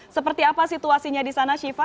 seperti apa situasinya di sana shiva